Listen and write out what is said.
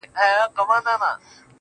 ستا د مستۍ په خاطر.